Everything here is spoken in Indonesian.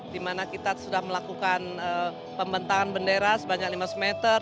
di mana kita sudah melakukan pembentangan bendera sebanyak lima ratus meter